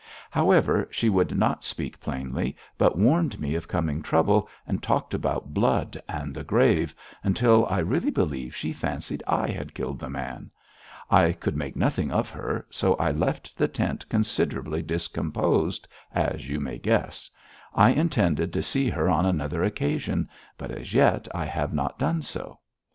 However, she would not speak plainly, but warned me of coming trouble, and talked about blood and the grave, until I really believe she fancied I had killed the man. I could make nothing of her, so I left the tent considerably discomposed, as you may guess. I intended to see her on another occasion, but as yet I have not done so.'